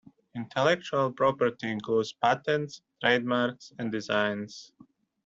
Intellectual property includes patents, trademarks and designs